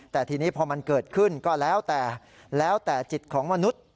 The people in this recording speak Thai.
แต่ทีนี้พอมันเกิดขึ้นก็แล้วแต่แล้วแต่จิตของมนุษย์